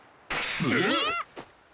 えっ？